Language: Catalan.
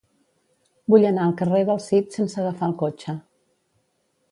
Vull anar al carrer del Cid sense agafar el cotxe.